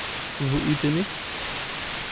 Vous eûtes aimé.